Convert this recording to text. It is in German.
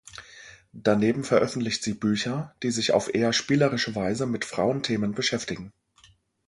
Daneben veröffentlicht sie Bücher, die sich auf eher spielerische Weise mit Frauenthemen beschäftigen.